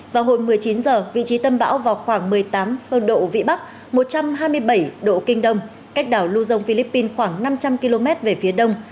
vào hồi một mươi chín h vị trí tâm bão vào khoảng một mươi tám độ vĩ bắc một trăm hai mươi bảy độ kinh đông cách đảo lưu dông philippines khoảng năm trăm linh km về phía đông